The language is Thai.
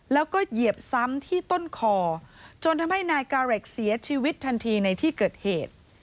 แล้วก็เหยียบซ้ำที่ต้นคอจนทำให้นายกาเรกเสียชีวิตทันทีในที่เกิดเหตุ